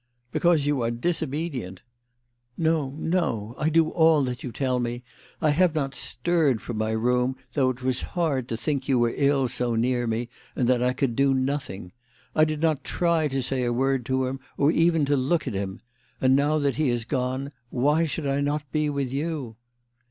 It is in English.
" Because you are disobedient." " No, no ; I do all that you tell me. I have not stirred from my room, though it was hard to think you were ill so near me, and that I could do nothing. I did not try to say a word to him, or even to look at him ; and now that he has gone, why should I not be with you